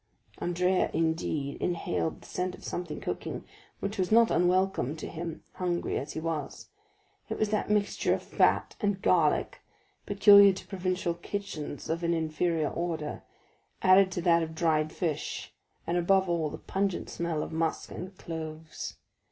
Andrea, indeed, inhaled the scent of something cooking which was not unwelcome to him, hungry as he was; it was that mixture of fat and garlic peculiar to Provençal kitchens of an inferior order, added to that of dried fish, and above all, the pungent smell of musk and cloves.